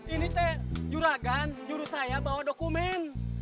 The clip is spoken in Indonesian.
ini teh juragan juru saya bawa dokumen